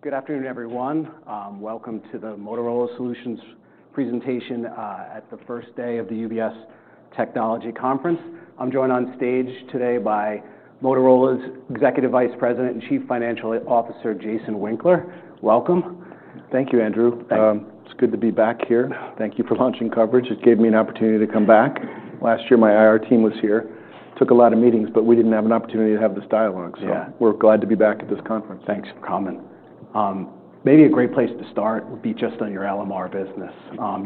Okay. Good afternoon, everyone. Welcome to the Motorola Solutions presentation, at the first day of the UBS Technology Conference. I'm joined on stage today by Motorola's Executive Vice President and Chief Financial Officer, Jason Winkler. Welcome. Thank you, Andrew. It's good to be back here. Thank you for launching coverage. It gave me an opportunity to come back. Last year, my IR team was here. Took a lot of meetings, but we didn't have an opportunity to have this dialogue. Yeah. We're glad to be back at this conference. Thanks for coming. Maybe a great place to start would be just on your LMR business.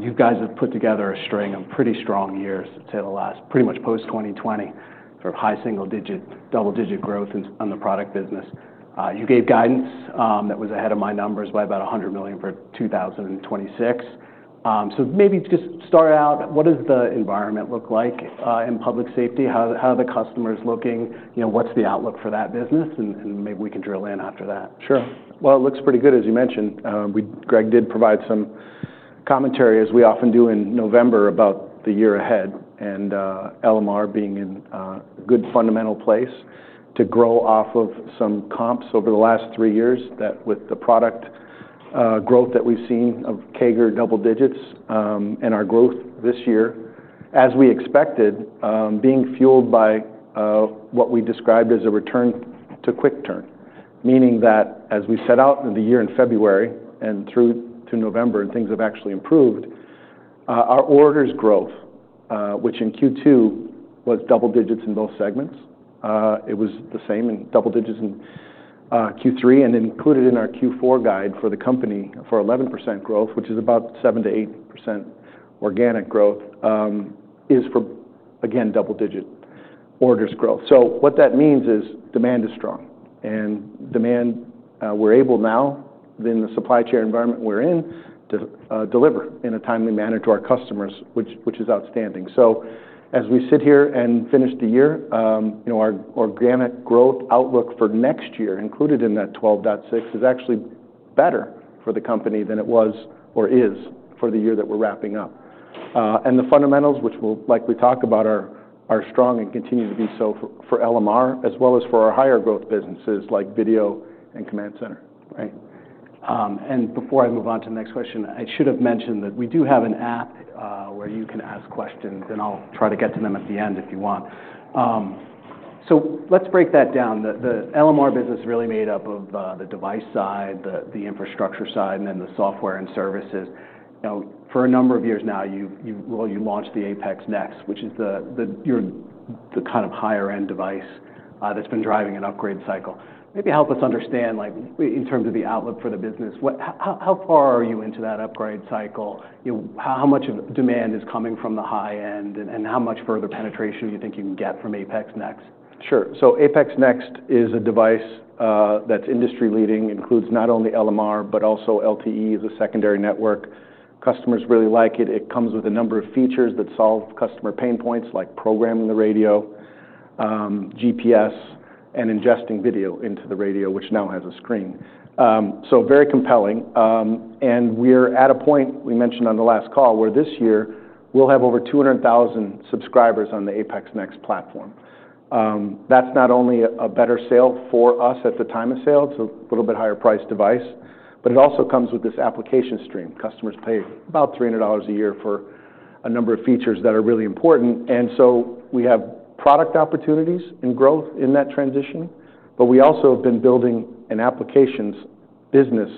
You guys have put together a string of pretty strong years to the last, pretty much post-2020, sort of high single-digit, double-digit growth in, on the product business. You gave guidance, that was ahead of my numbers by about $100 million for 2026. Maybe just start out, what does the environment look like, in public safety? How, how are the customers looking? You know, what's the outlook for that business? And maybe we can drill in after that. Sure. It looks pretty good, as you mentioned. We, Greg, did provide some commentary, as we often do in November, about the year ahead. LMR being in a good fundamental place to grow off of some comps over the last three years, that with the product growth that we've seen of CAGR double digits, and our growth this year, as we expected, being fueled by what we described as a return to quick turn. Meaning that as we set out in the year in February and through to November, and things have actually improved, our orders growth, which in Q2 was double digits in both segments. It was the same in double digits in Q3 and included in our Q4 guide for the company for 11% growth, which is about 7%-8% organic growth, is for, again, double-digit orders growth. What that means is demand is strong and demand, we're able now, in the supply chain environment we're in, to deliver in a timely manner to our customers, which is outstanding. As we sit here and finish the year, you know, our organic growth outlook for next year, included in that 12.6, is actually better for the company than it was or is for the year that we're wrapping up. The fundamentals, which we'll likely talk about, are strong and continue to be so for LMR, as well as for our higher growth businesses like video and command center, right? Before I move on to the next question, I should have mentioned that we do have an app where you can ask questions, and I'll try to get to them at the end if you want. Let's break that down. The LMR business is really made up of the device side, the infrastructure side, and then the software and services. You know, for a number of years now, you, you, well, you launched the APX NEXT, which is the, the, you're the kind of higher-end device, that's been driving an upgrade cycle. Maybe help us understand, like, in terms of the outlook for the business, what, how, how far are you into that upgrade cycle? You know, how, how much of demand is coming from the high end and, and how much further penetration do you think you can get from APX NEXT? Sure. So APX NEXT is a device, that's industry-leading, includes not only LMR, but also LTE as a secondary network. Customers really like it. It comes with a number of features that solve customer pain points like programming the radio, GPS, and ingesting video into the radio, which now has a screen. Very compelling. We are at a point we mentioned on the last call where this year we'll have over 200,000 subscribers on the APX NEXT Platform. That's not only a better sale for us at the time of sale, it's a little bit higher-priced device, but it also comes with this application stream. Customers pay about $300 a year for a number of features that are really important. We have product opportunities and growth in that transition, but we also have been building an applications business,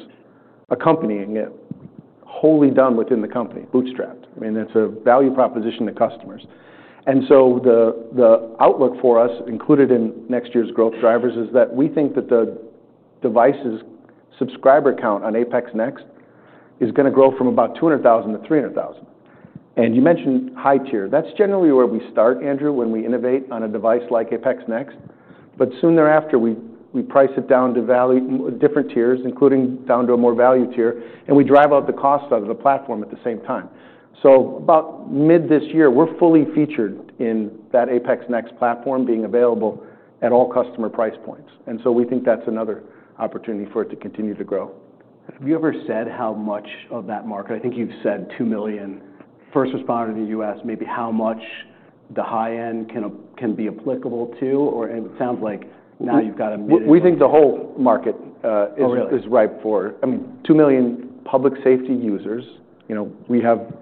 accompanying it, wholly done within the company, bootstrapped. I mean, it's a value proposition to customers. The outlook for us, included in next year's growth drivers, is that we think that the device's subscriber count on APX NEXT is gonna grow from about 200,000-300,000. You mentioned high tier. That's generally where we start, Andrew, when we innovate on a device like APX NEXT. Soon thereafter, we price it down to value, different tiers, including down to a more value tier, and we drive out the cost of the platform at the same time. About mid this year, we're fully featured in that APX NEXT Platform being available at all customer price points. We think that's another opportunity for it to continue to grow. Have you ever said how much of that market? I think you've said 2 million. First responder to the U.S., maybe how much the high end can, can be applicable to, or it sounds like now you've got a million. We think the whole market is ripe for, I mean, 2 million public safety users. You know, we have a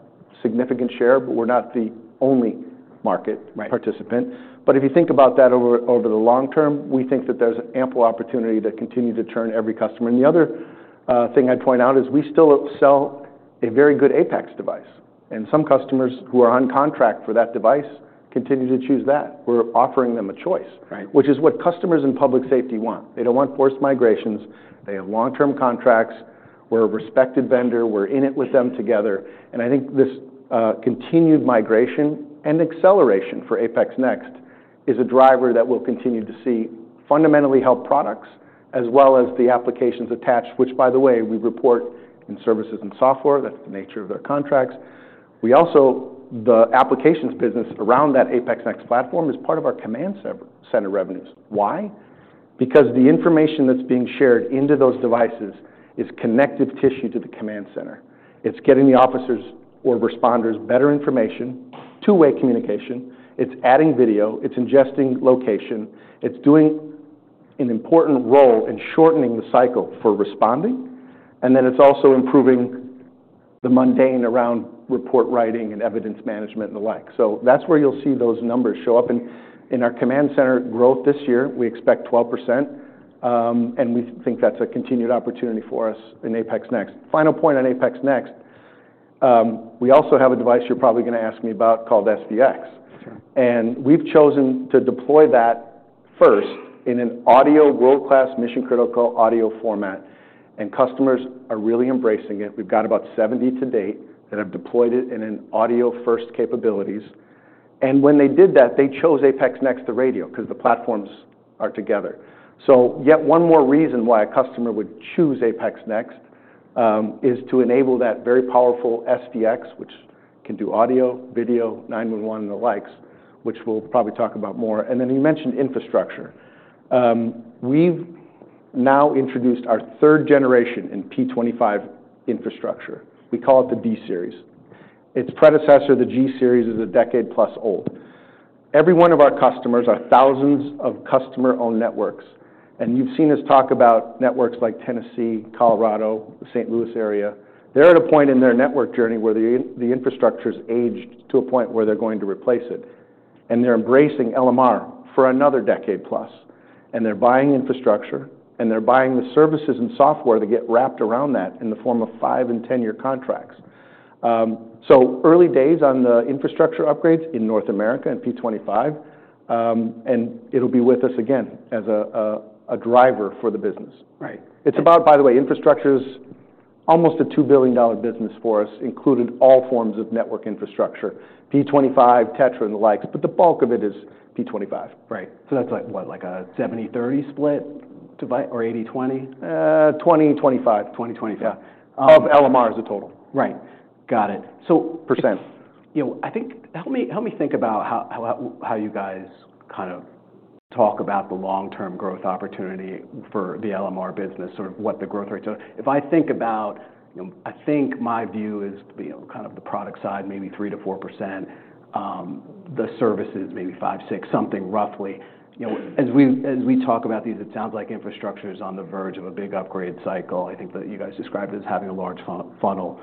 significant share, but we're not the only market participant. Right. If you think about that over the long term, we think that there's ample opportunity to continue to turn every customer. The other thing I'd point out is we still sell a very good Apex device, and some customers who are on contract for that device continue to choose that. We're offering them a choice. Right. Which is what customers in public safety want. They don't want forced migrations. They have long-term contracts. We're a respected vendor. We're in it with them together. I think this continued migration and acceleration for APX NEXT is a driver that we'll continue to see fundamentally help products as well as the applications attached, which, by the way, we report in services and software. That's the nature of their contracts. We also, the applications business around that APX NEXT Platform is part of our command center revenues. Why? Because the information that's being shared into those devices is connective tissue to the command center. It's getting the officers or responders better information, two-way communication. It's adding video. It's ingesting location. It's doing an important role in shortening the cycle for responding. It's also improving the mundane around report writing and evidence management and the like. That's where you'll see those numbers show up. In our command center growth this year, we expect 12%. We think that's a continued opportunity for us in APX NEXT. Final point on APX NEXT, we also have a device you're probably gonna ask me about called SVX. Sure. We have chosen to deploy that first in an audio world-class mission-critical audio format, and customers are really embracing it. We have about 70 to date that have deployed it in an audio-first capabilities. When they did that, they chose APX NEXT to radio because the platforms are together. Yet one more reason why a customer would choose APX NEXT is to enable that very powerful SVX, which can do audio, video, 911, and the likes, which we will probably talk about more. You mentioned infrastructure. We have now introduced our third generation in P25 infrastructure. We call it the D series. Its predecessor, the G series, is a decade-plus old. Every one of our customers are thousands of customer-owned networks. You have seen us talk about networks like Tennessee, Colorado, the St. Louis area. They're at a point in their network journey where the infrastructure's aged to a point where they're going to replace it. They're embracing LMR for another decade-plus, and they're buying infrastructure, and they're buying the services and software that get wrapped around that in the form of five and 10-year contracts. Early days on the infrastructure upgrades in North America and P25, and it'll be with us again as a driver for the business. Right. It's about, by the way, infrastructure's almost a $2 billion business for us, including all forms of network infrastructure. P25, TETRA, and the likes, but the bulk of it is P25. Right. So that's like, what, like a 70/30 split divi or 80/20? 20/25. 20/25. Yeah. Of LMR as a total. Right. Got it. Percent. You know, I think, help me, help me think about how you guys kind of talk about the long-term growth opportunity for the LMR business, sort of what the growth rates are. If I think about, you know, I think my view is to be kind of the product side, maybe 3%-4%. The services, maybe 5%-6%, something roughly. You know, as we talk about these, it sounds like infrastructure's on the verge of a big upgrade cycle. I think that you guys described it as having a large funnel.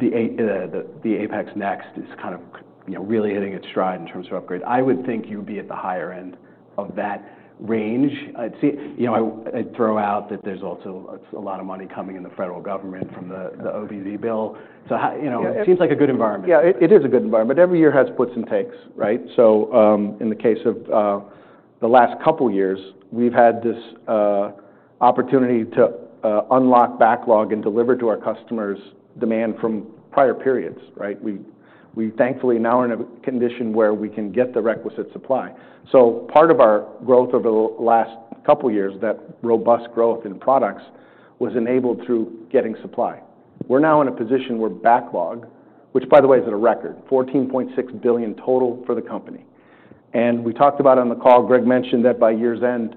The APX NEXT is kind of, you know, really hitting its stride in terms of upgrade. I would think you'd be at the higher end of that range. I'd see, you know, I throw out that there's also a lot of money coming in the federal government from the OBC Bill. How, you know, it seems like a good environment. Yeah, it is a good environment. Every year has puts and takes, right? In the case of the last couple years, we've had this opportunity to unlock backlog and deliver to our customers' demand from prior periods, right? We thankfully now are in a condition where we can get the requisite supply. Part of our growth over the last couple years, that robust growth in products, was enabled through getting supply. We're now in a position where backlog, which by the way, is at a record, $14.6 billion total for the company. We talked about on the call, Greg mentioned that by year's end,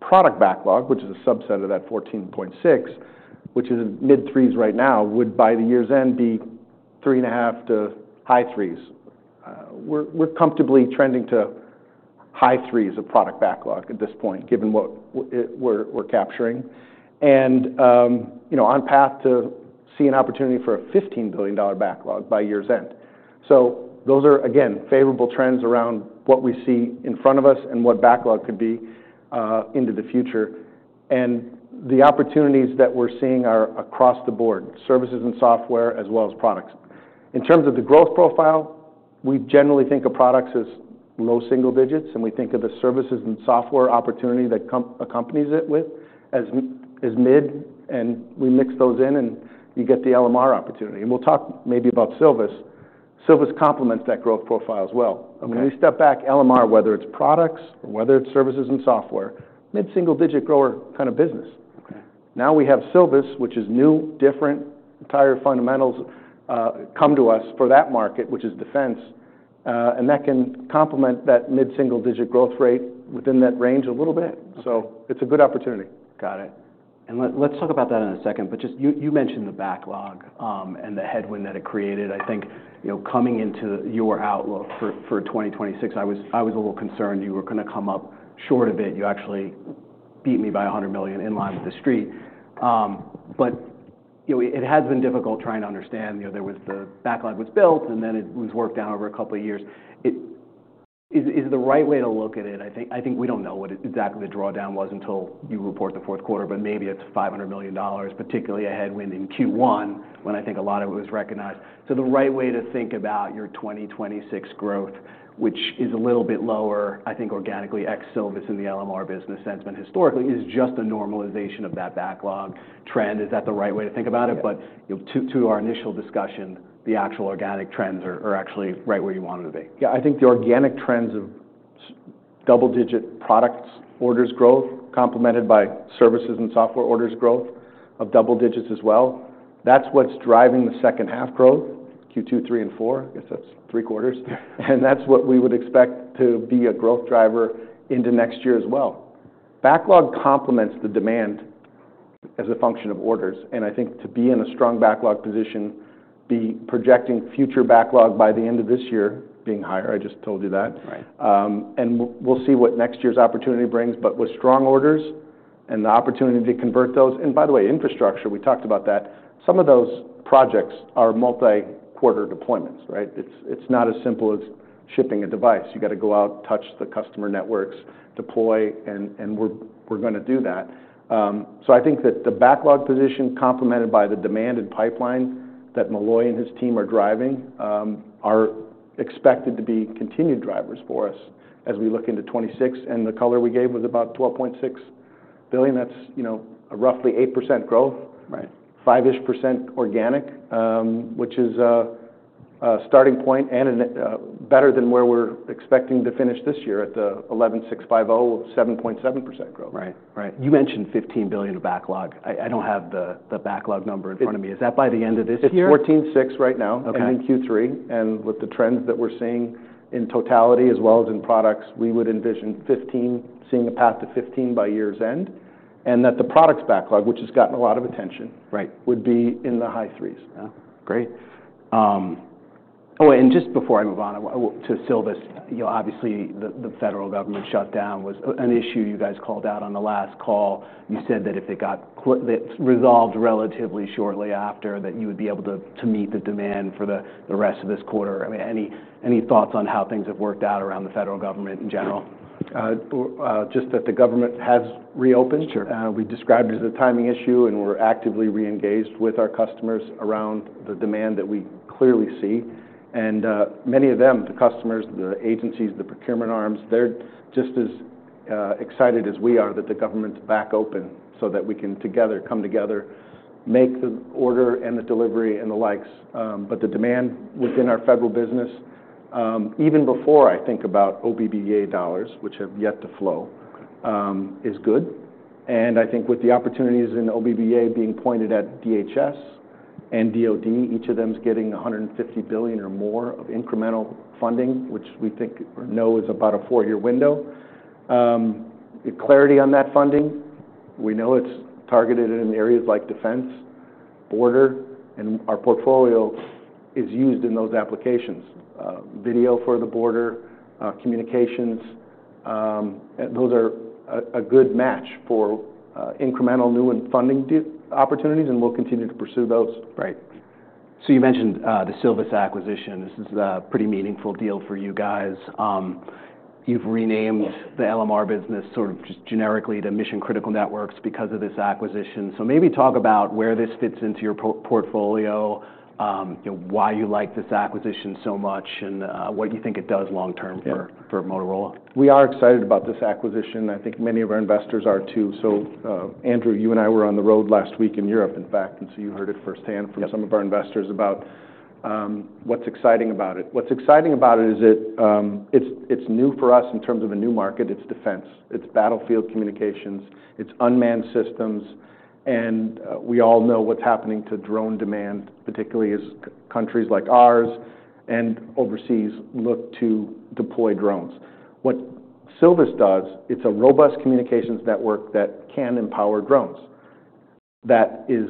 product backlog, which is a subset of that $14.6 billion, which is mid-threes right now, would by the year's end be $3.5 billion to high threes. We're comfortably trending to high threes of product backlog at this point, given what we're capturing. You know, on path to see an opportunity for a $15 billion backlog by year's end. Those are, again, favorable trends around what we see in front of us and what backlog could be into the future. The opportunities that we're seeing are across the board, services and software as well as products. In terms of the growth profile, we generally think of products as low single digits, and we think of the services and software opportunity that accompanies it as mid, and we mix those in and you get the LMR opportunity. We'll talk maybe about Silvus. Silvus complements that growth profile as well. I mean, we step back, LMR, whether it's products or whether it's services and software, mid-single-digit grower kind of business. Okay. Now we have Silvus, which is new, different, entire fundamentals, come to us for that market, which is defense, and that can complement that mid-single-digit growth rate within that range a little bit. It is a good opportunity. Got it. Let’s talk about that in a second, but just, you mentioned the backlog, and the headwind that it created. I think, you know, coming into your outlook for 2026, I was a little concerned you were gonna come up short of it. You actually beat me by $100 million in line of the street. But, you know, it has been difficult trying to understand, you know, there was the backlog was built and then it was worked out over a couple of years. Is the right way to look at it? I think, I think we don't know what exactly the drawdown was until you report the fourth quarter, but maybe it's $500 million, particularly a headwind in Q1 when I think a lot of it was recognized. The right way to think about your 2026 growth, which is a little bit lower, I think organically, ex-Silvus in the LMR business, has been historically, is just a normalization of that backlog trend. Is that the right way to think about it? You know, to our initial discussion, the actual organic trends are actually right where you wanted to be. Yeah, I think the organic trends of double-digit products orders growth complemented by services and software orders growth of double digits as well. That is what is driving the second half growth, Q2, 3, and 4. I guess that is three quarters. That is what we would expect to be a growth driver into next year as well. Backlog complements the demand as a function of orders. I think to be in a strong backlog position, be projecting future backlog by the end of this year being higher. I just told you that. Right. We'll see what next year's opportunity brings, but with strong orders and the opportunity to convert those. By the way, infrastructure, we talked about that. Some of those projects are multi-quarter deployments, right? It's not as simple as shipping a device. You gotta go out, touch the customer networks, deploy, and we're gonna do that. I think that the backlog position complemented by the demanded pipeline that Molloy and his team are driving are expected to be continued drivers for us as we look into 2026. The color we gave was about $12.6 billion. That's a roughly 8% growth. Right. Five-ish percent organic, which is a starting point and better than where we're expecting to finish this year at the 11,650, 7.7% growth. Right. Right. You mentioned $15 billion of backlog. I don't have the backlog number in front of me. Is that by the end of this year? It's 14.6 right now. Okay. In Q3, and with the trends that we're seeing in totality as well as in products, we would envision 15, seeing a path to 15 by year's end, and that the products backlog, which has gotten a lot of attention. Right. Would be in the high threes. Yeah. Great. Oh, and just before I move on, I want to Silvus, you know, obviously the federal government shutdown was an issue you guys called out on the last call. You said that if they got resolved relatively shortly after, that you would be able to meet the demand for the rest of this quarter. I mean, any thoughts on how things have worked out around the federal government in general? Just that the government has reopened. Sure. We described it as a timing issue, and we're actively re-engaged with our customers around the demand that we clearly see. Many of them, the customers, the agencies, the procurement arms, they're just as excited as we are that the government's back open so that we can together come together, make the order and the delivery and the likes. The demand within our federal business, even before I think about OBBA dollars, which have yet to flow, is good. I think with the opportunities in OBBA being pointed at DHS and DoD, each of them's getting $150 billion or more of incremental funding, which we think or know is about a four-year window. Clarity on that funding, we know it's targeted in areas like defense, border, and our portfolio is used in those applications. Video for the border, communications, those are a good match for incremental new and funding opportunities, and we'll continue to pursue those. Right. You mentioned the Silvus acquisition. This is a pretty meaningful deal for you guys. You've renamed the LMR business sort of just generically to mission-critical networks because of this acquisition. Maybe talk about where this fits into your portfolio, you know, why you like this acquisition so much and what you think it does long-term for Motorola. We are excited about this acquisition. I think many of our investors are too. Andrew, you and I were on the road last week in Europe, in fact, and you heard it firsthand from some of our investors about what's exciting about it. What's exciting about it is it's new for us in terms of a new market. It's defense. It's battlefield communications. It's unmanned systems. We all know what's happening to drone demand, particularly as countries like ours and overseas look to deploy drones. What Silvus does, it's a robust communications network that can empower drones. That is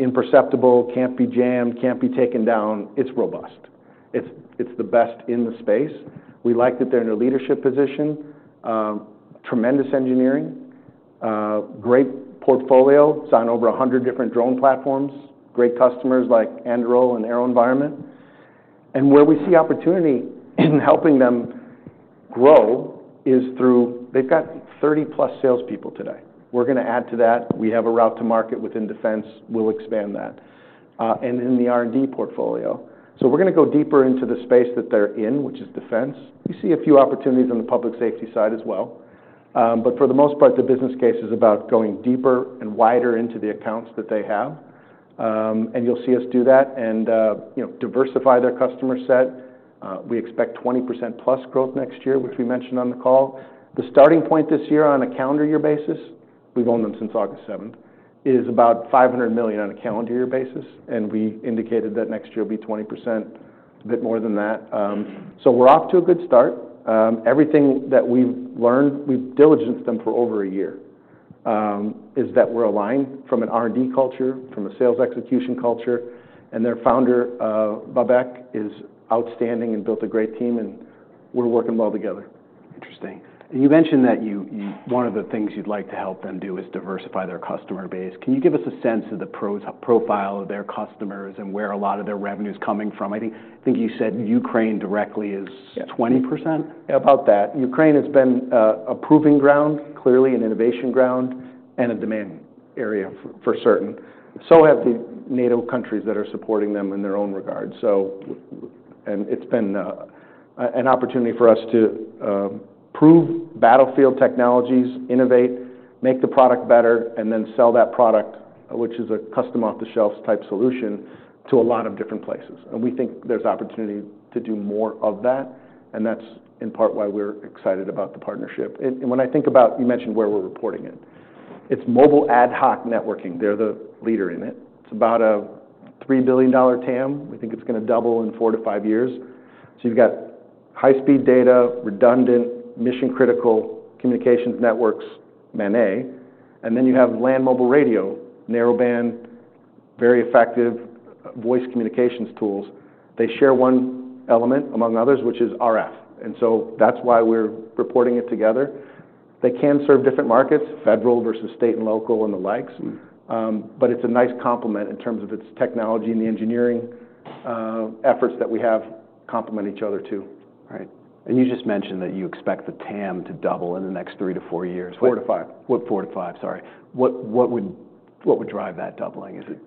imperceptible, can't be jammed, can't be taken down. It's robust. It's the best in the space. We like that they're in a leadership position. Tremendous engineering, great portfolio, signed over 100 different drone platforms, great customers like Anduril and AeroVironment. Where we see opportunity in helping them grow is through, they've got 30+ salespeople today. We're gonna add to that. We have a route to market within defense. We'll expand that, and in the R&D portfolio. We're gonna go deeper into the space that they're in, which is defense. You see a few opportunities on the public safety side as well. For the most part, the business case is about going deeper and wider into the accounts that they have. You'll see us do that and, you know, diversify their customer set. We expect 20%+ growth next year, which we mentioned on the call. The starting point this year on a calendar year basis, we've owned them since August 7, is about $500 million on a calendar year basis. We indicated that next year will be 20%, a bit more than that. We're off to a good start. Everything that we've learned, we've diligenced them for over a year, is that we're aligned from an R&D culture, from a sales execution culture. And their founder, Babak is outstanding and built a great team, and we're working well together. Interesting. You mentioned that you, one of the things you'd like to help them do is diversify their customer base. Can you give us a sense of the profile of their customers and where a lot of their revenue's coming from? I think you said Ukraine directly is 20%? Yeah, about that. Ukraine has been a proving ground, clearly an innovation ground and a demand area for certain. The NATO countries that are supporting them have been as well in their own regard. It has been an opportunity for us to prove battlefield technologies, innovate, make the product better, and then sell that product, which is a custom off-the-shelf type solution to a lot of different places. We think there is opportunity to do more of that. That is in part why we are excited about the partnership. When I think about, you mentioned where we are reporting it, it is Mobile Ad Hoc Networking. They are the leader in it. It is about a $3 billion TAM. We think it is going to double in four to five years. You have high-speed data, redundant, mission-critical communications networks, MANET. Then you have land mobile radio, narrowband, very effective voice communications tools. They share one element among others, which is RF. That is why we're reporting it together. They can serve different markets, federal versus state and local and the likes. It is a nice complement in terms of its technology and the engineering efforts that we have complement each other too. Right. You just mentioned that you expect the TAM to double in the next three to four years. Four to five. What? Four to five. Sorry. What would drive that doubling? Is it?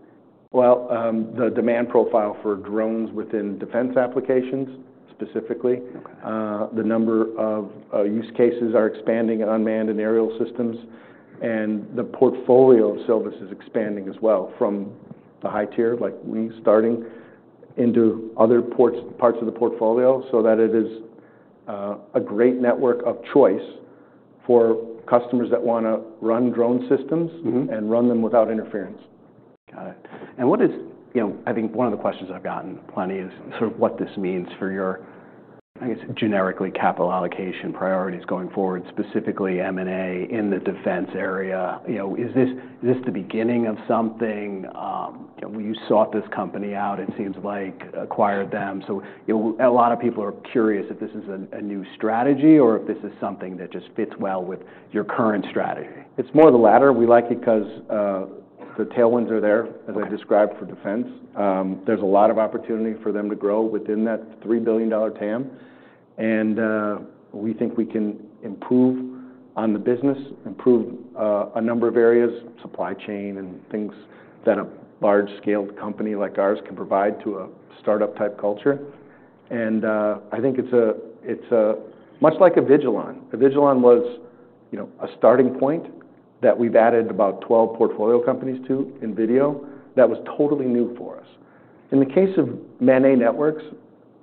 The demand profile for drones within defense applications specifically, the number of use cases are expanding in Unmanned and Aerial Systems. The portfolio of Silvus is expanding as well from the high tier, like we starting into other parts of the portfolio so that it is a great network of choice for customers that wanna run drone systems and run them without interference. Got it. What is, you know, I think one of the questions I've gotten plenty is sort of what this means for your, I guess, generically capital allocation priorities going forward, specifically M&A in the defense area. Is this the beginning of something? You know, you sought this company out, it seems like, acquired them. So, you know, a lot of people are curious if this is a new strategy or if this is something that just fits well with your current strategy. It's more of the latter. We like it 'cause the tailwinds are there, as I described for defense. There's a lot of opportunity for them to grow within that $3 billion TAM. We think we can improve on the business, improve a number of areas, supply chain and things that a large-scale company like ours can provide to a startup type culture. I think it's much like Avigilon. Avigilon was, you know, a starting point that we've added about 12 portfolio companies to in video that was totally new for us. In the case of MANET networks,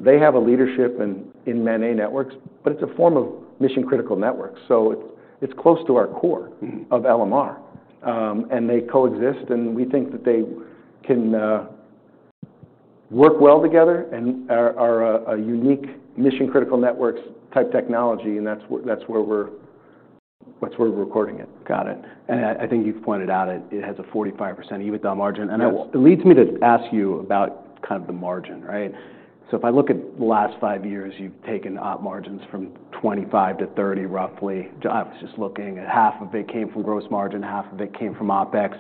they have a leadership in MANET networks, but it's a form of mission-critical network. It's close to our core of LMR, and they coexist and we think that they can work well together and are a unique mission-critical networks type technology. That's where we're recording it. Got it. I think you've pointed out it has a 45% EBITDA margin. It leads me to ask you about kind of the margin, right? If I look at the last five years, you've taken op margins from 25 to 30 roughly. I was just looking at half of it came from gross margin, half of it came from OpEx.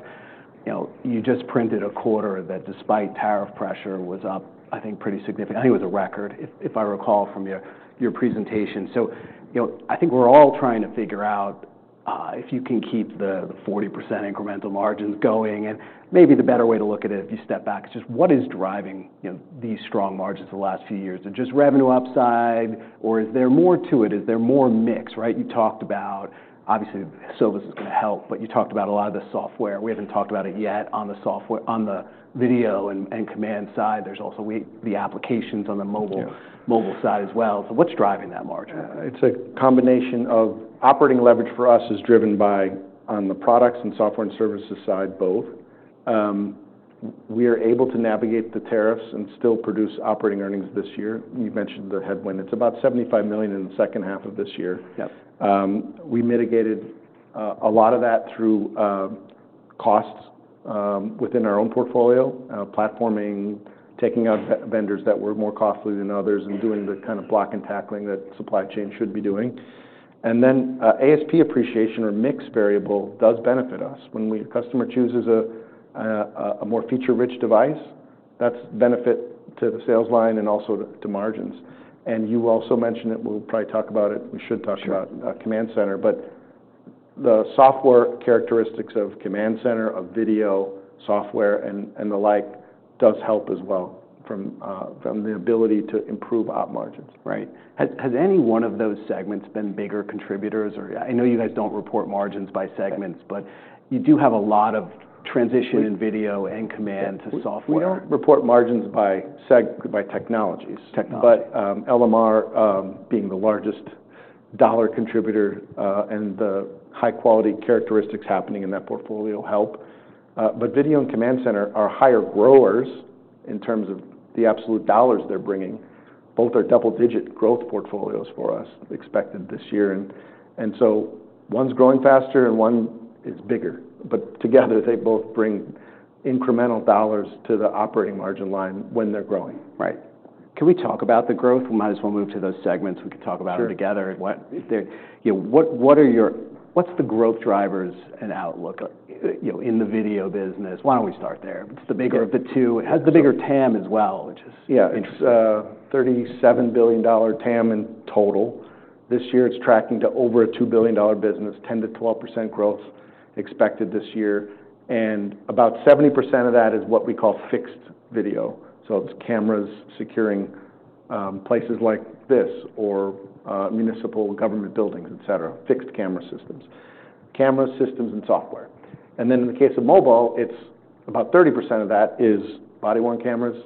You know, you just printed a quarter that despite tariff pressure was up, I think pretty significantly. I think it was a record if I recall from your presentation. You know, I think we're all trying to figure out if you can keep the 40% incremental margins going. Maybe the better way to look at it if you step back is just what is driving these strong margins the last few years? Just revenue upside or is there more to it? Is there more mix? Right? You talked about, obviously Silvus is gonna help, but you talked about a lot of the software. We haven't talked about it yet on the software, on the video and command side. There's also the applications on the mobile, mobile side as well. So what's driving that margin? It's a combination of operating leverage for us is driven by on the products and software and services side, both. We are able to navigate the tariffs and still produce operating earnings this year. You mentioned the headwind. It's about $75 million in the second half of this year. Yep. We mitigated a lot of that through costs within our own portfolio, platforming, taking out vendors that were more costly than others and doing the kind of block and tackling that supply chain should be doing. ASP appreciation or mixed variable does benefit us when we customer chooses a more feature-rich device. That's benefit to the sales line and also to margins. You also mentioned it, we will probably talk about it. We should talk about Command Center. The software characteristics of Command Center, of video software and the like does help as well from the ability to improve op margins. Right. Has any one of those segments been bigger contributors or I know you guys don't report margins by segments, but you do have a lot of transition in video and command to software. We don't report margins by seg, by technologies. Technology. LMR, being the largest dollar contributor, and the high quality characteristics happening in that portfolio help. Video and Command Center are higher growers in terms of the absolute dollars they're bringing. Both are double-digit growth portfolios for us expected this year. One's growing faster and one is bigger. Together they both bring incremental dollars to the operating margin line when they're growing. Right. Can we talk about the growth? We might as well move to those segments. We could talk about it together. What, you know, what are your, what's the growth drivers and outlook, you know, in the video business? Why don't we start there? It's the bigger of the two. Has the bigger TAM as well, which is interesting. Yeah. It's $37 billion TAM in total this year. It's tracking to over a $2 billion business, 10%-12% growth expected this year. About 70% of that is what we call fixed video. It's cameras securing places like this or municipal government buildings, et cetera, fixed camera systems, camera systems and software. In the case of mobile, about 30% of that is body-worn cameras,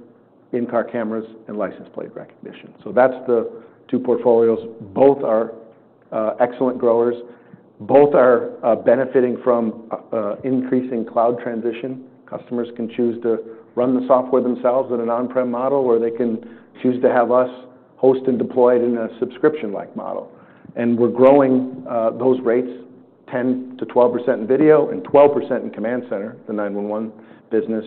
in-car cameras, and license plate recognition. That's the two portfolios. Both are excellent growers. Both are benefiting from increasing cloud transition. Customers can choose to run the software themselves in an on-prem model or they can choose to have us host and deploy it in a subscription-like model. We're growing those rates, 10%-12% in video and 12% in Command Center, the 911 business,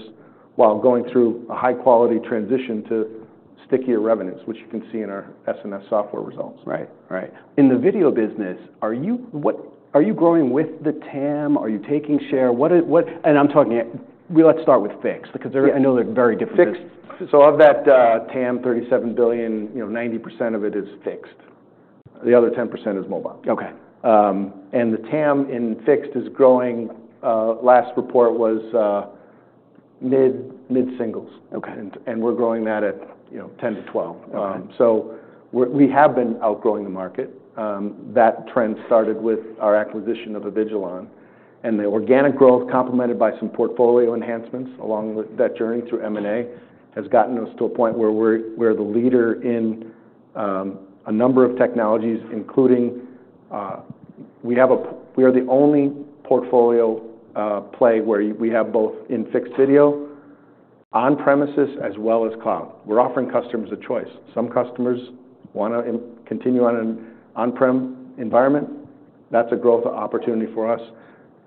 while going through a high-quality transition to stickier revenues, which you can see in our SNS software results. Right. Right. In the video business, are you, what, are you growing with the TAM? Are you taking share? What is, what, and I'm talking, we let's start with fixed because I know they're very different. Of that TAM, $37 billion, you know, 90% of it is fixed. The other 10% is mobile. Okay. The TAM in fixed is growing, last report was, mid, mid singles. Okay. We're growing that at, you know, 10%-12%. Okay. We're, we have been outgrowing the market. That trend started with our acquisition of Avigilon. The organic growth, complemented by some portfolio enhancements along with that journey through M&A, has gotten us to a point where we're the leader in a number of technologies, including, we have a, we are the only portfolio play where we have both in fixed video, on-premises, as well as cloud. We're offering customers a choice. Some customers wanna continue on an on-prem environment. That's a growth opportunity for us.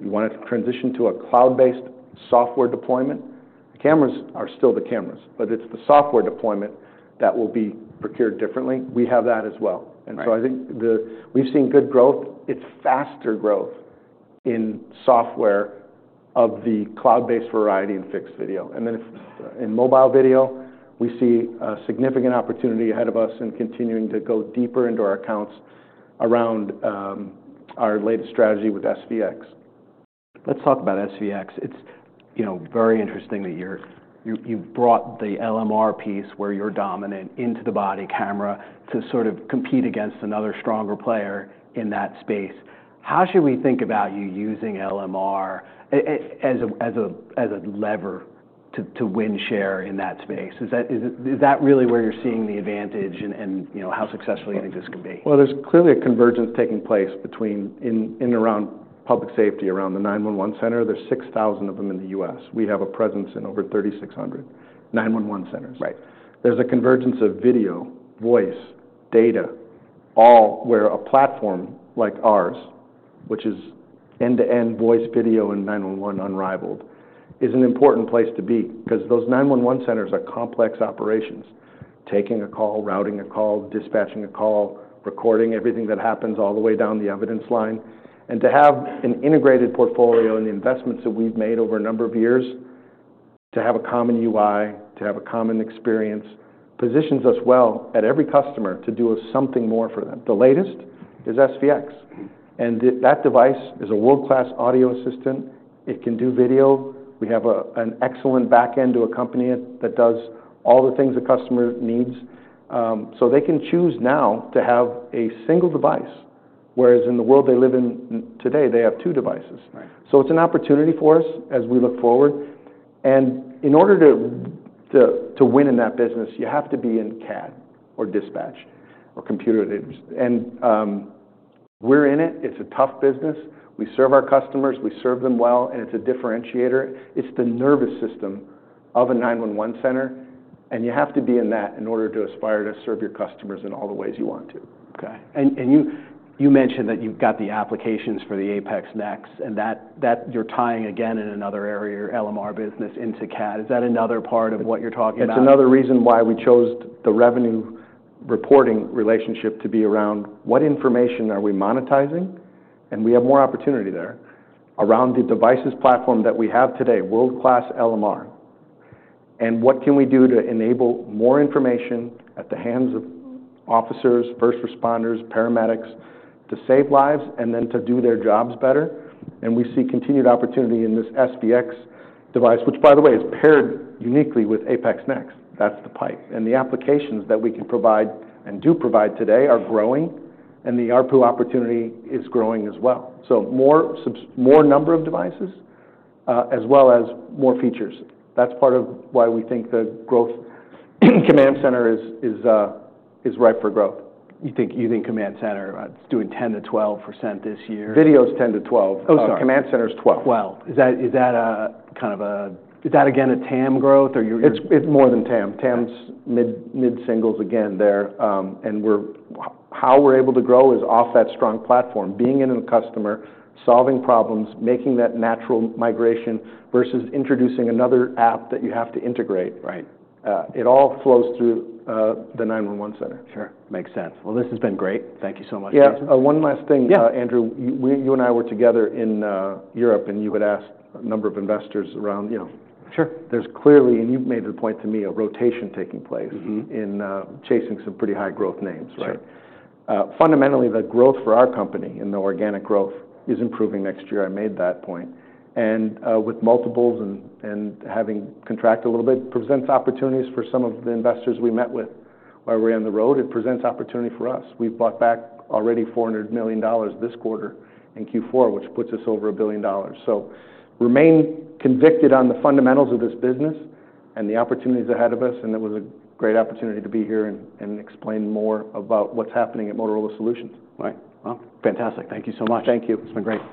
We wanted to transition to a cloud-based software deployment. The cameras are still the cameras, but it's the software deployment that will be procured differently. We have that as well. I think we've seen good growth. It's faster growth in software of the cloud-based variety in fixed video. If in mobile video, we see a significant opportunity ahead of us in continuing to go deeper into our accounts around our latest strategy with SVX. Let's talk about SVX. It's, you know, very interesting that you've brought the LMR piece where you're dominant into the body camera to sort of compete against another stronger player in that space. How should we think about you using LMR as a lever to win share in that space? Is that really where you're seeing the advantage and, you know, how successfully you think this can be? There's clearly a convergence taking place between, in, in around public safety, around the 911 center. There's 6,000 of them in the U.S.. We have a presence in over 3,600, 911 centers. Right. There's a convergence of video, voice, data, all where a platform like ours, which is end-to-end voice, video, and 911 unrivaled, is an important place to be 'cause those 911 centers are complex operations, taking a call, routing a call, dispatching a call, recording everything that happens all the way down the evidence line. To have an integrated portfolio and the investments that we've made over a number of years to have a common UI, to have a common experience, positions us well at every customer to do something more for them. The latest is SVX. That device is a world-class audio assistant. It can do video. We have an excellent backend to accompany it that does all the things a customer needs, so they can choose now to have a single device, whereas in the world they live in today, they have two devices. Right. It is an opportunity for us as we look forward. In order to win in that business, you have to be in CAD or dispatch or computer aids. We are in it. It is a tough business. We serve our customers, we serve them well, and it is a differentiator. It is the nervous system of a 911 center. You have to be in that in order to aspire to serve your customers in all the ways you want to. Okay. You mentioned that you've got the applications for the APX NEXT and that you're tying again in another area, your LMR business into CAD. Is that another part of what you're talking about? It's another reason why we chose the revenue reporting relationship to be around what information are we monetizing? We have more opportunity there around the devices platform that we have today, world-class LMR. What can we do to enable more information at the hands of officers, first responders, paramedics to save lives and to do their jobs better? We see continued opportunity in this SVX device, which by the way, is paired uniquely with APX NEXT. That's the pipe. The applications that we can provide and do provide today are growing and the ARPU opportunity is growing as well. More sub, more number of devices, as well as more features. That's part of why we think the growth Command Center is ripe for growth. You think, you think command center, it's doing 10%-12% this year. Videos 10%-12%. Oh, so Command Center's 12%. 12%. Is that, is that a kind of a, is that again a TAM growth or you're? It's more than TAM. TAM's mid, mid singles again there. And how we're able to grow is off that strong platform, being in a customer, solving problems, making that natural migration versus introducing another app that you have to integrate. Right. It all flows through, the 911 center. Sure. Makes sense. This has been great. Thank you so much, Jason. Yeah. One last thing, Andrew, we, you and I were together in Europe and you had asked a number of investors around, you know. Sure. There's clearly, and you've made the point to me, a rotation taking place in, chasing some pretty high growth names. Right? Sure. Fundamentally, the growth for our company and the organic growth is improving next year. I made that point. With multiples and having contract a little bit presents opportunities for some of the investors we met with while we were on the road. It presents opportunity for us. We've bought back already $400 million this quarter in Q4, which puts us over a billion dollars. Remain convicted on the fundamentals of this business and the opportunities ahead of us. It was a great opportunity to be here and explain more about what's happening at Motorola Solutions. Right. Fantastic. Thank you so much. Thank you. It's been great.